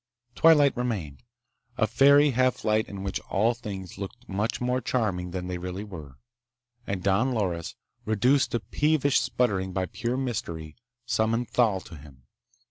Twilight remained, a fairy half light in which all things looked much more charming than they really were. And Don Loris, reduced to peevish sputtering by pure mystery, summoned Thal to him.